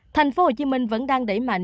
thành phố hồ chí minh vẫn đang đẩy mạnh